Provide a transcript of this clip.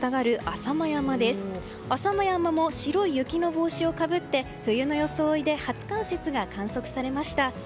浅間山も白い雪の帽子をかぶって冬の装いで初冠雪が確認されました。